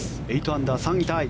８アンダー、３位タイ。